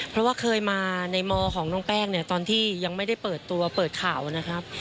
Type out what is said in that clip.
เพราะว่าเคยมาในมของน้องแป้งเนี่ยตอนที่ยังไม่ได้เปิดตัวเปิดข่าวนะครับ